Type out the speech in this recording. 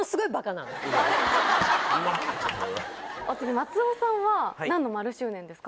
松尾さんは何の○周年ですか？